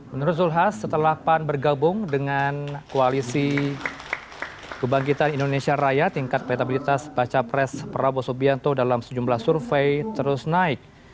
menurut zulkifli hasan setelah pan bergabung dengan koalisi kebangkitan indonesia raya tingkat elektabilitas bakal calon presiden prabowo sobianto dalam sejumlah survei terus naik